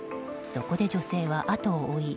そこで女性はあとを追い